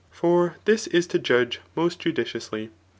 For this is to judge most judiciously.